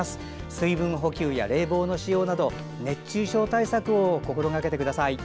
水分補給や冷房の使用など熱中症対策を心がけてください。